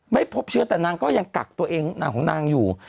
ไม่พบเชื้อแต่นางก็ยังกักตัวเองนางของนางอยู่